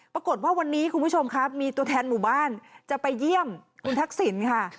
ปรากฏว่าวันนี้คุณผู้ชมครับมีตัวแทนหมู่บ้านจะไปเยี่ยมคุณทักษิณค่ะ